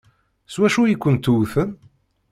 S wacu i kent-wwten?